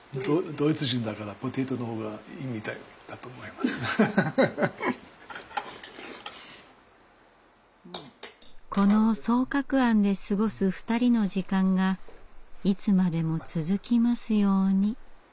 まあこの双鶴庵で過ごす２人の時間がいつまでも続きますように。